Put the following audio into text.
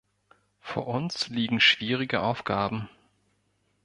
Vor uns liegen schwierige Aufgaben.